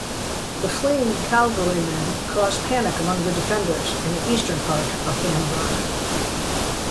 The fleeing cavalrymen caused panic among the defenders in the eastern part of Bamberg.